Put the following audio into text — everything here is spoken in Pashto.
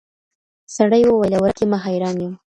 سړي وویله ورک یمه حیران یم !.